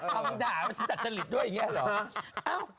ดำด่ามันใช่แดดจริตด้วยอย่างนี้หรืออ้าว